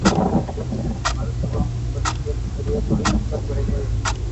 மருத்துவம், பொறி இயல் முதலிய தொழில்நுட்பத் துறைகள்.